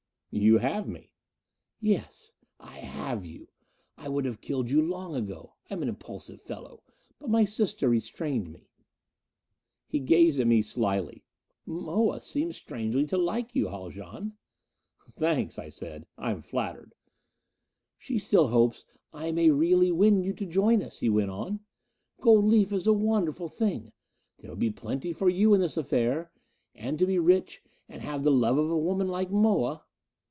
"You have me." "Yes. I have you. I would have killed you long ago I am an impulsive fellow but my sister restrained me." He gazed at me slyly. "Moa seems strangely to like you, Haljan." "Thanks," I said. "I'm flattered." "She still hopes I may really win you to join us," he went on. "Gold leaf is a wonderful thing; there would be plenty for you in this affair. And to be rich, and have the love of a woman like Moa...."